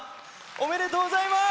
おめでとうございます！